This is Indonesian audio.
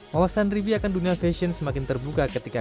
wawasan ribe akan dunia fashion semakin terbuka ketika